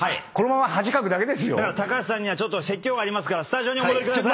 高橋さんには説教がありますからスタジオにお戻りください。